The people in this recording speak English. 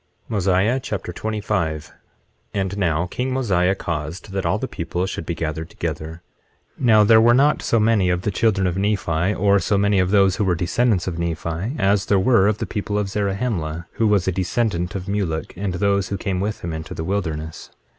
Mosiah Chapter 25 25:1 And now king Mosiah caused that all the people should be gathered together. 25:2 Now there were not so many of the children of Nephi, or so many of those who were descendants of Nephi, as there were of the people of Zarahemla, who was a descendant of Mulek, and those who came with him into the wilderness.